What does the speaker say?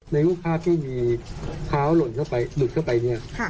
ในว่าที่มีขาวหลุดเข้าไปหลุดเข้าไปเนี่ยค่ะ